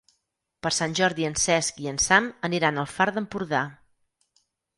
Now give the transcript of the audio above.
Per Sant Jordi en Cesc i en Sam aniran al Far d'Empordà.